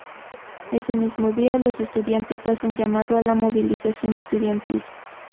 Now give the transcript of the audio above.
Ese mismo día los estudiantes hacen llamado a la movilización estudiantil.